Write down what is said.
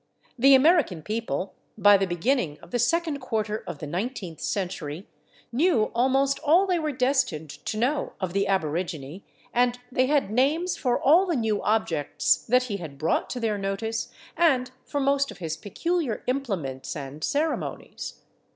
The American people, by the beginning of the second quarter of the nineteenth century, knew almost all they were destined to know of the aborigine, and they had names for all the new objects that he had brought to their notice and for most of his peculiar implements and ceremonies.